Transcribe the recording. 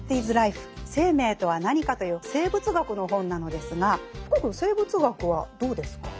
生命とは何か」という生物学の本なのですが福くん生物学はどうですか？